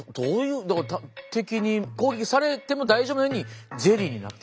だから敵に攻撃されても大丈夫なようにゼリーになってる。